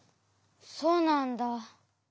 そうなんだ。